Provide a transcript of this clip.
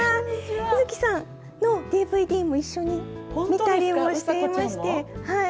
柚希さんのＤＶＤも一緒に見たりしていまして。